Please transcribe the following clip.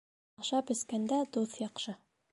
Ашап эскәндә дуҫ яҡшы